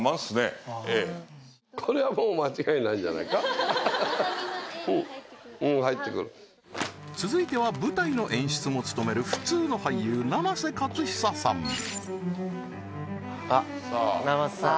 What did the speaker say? これもうに入ってくるうん入ってくる続いては舞台の演出も務める普通の俳優生瀬勝久さんあっ生瀬さん